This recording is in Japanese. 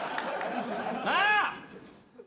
なあ。